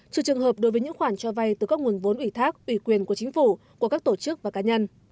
trừ trường hợp đối với những khoản cho vay từ các nguồn vốn ủy thác ủy quyền của chính phủ của các tổ chức và cá nhân